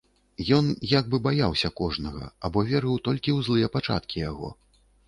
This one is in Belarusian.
Ён як бы баяўся кожнага або верыў толькі ў злыя пачаткі яго.